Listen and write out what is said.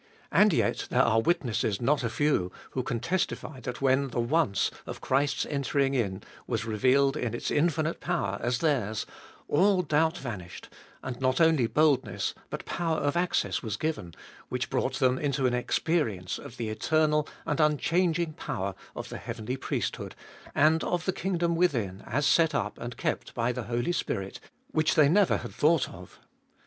And yet there are witnesses not a few who can testify that when the once of Christ's entering in was revealed in its infinite power as theirs, all doubt vanished, and not only boldness but power of access was given, which brought them into an experience of the eternal and unchanging power of the heavenly priesthood, and of the kingdom within as set up and kept by the Holy Spirit, which they never had thought of.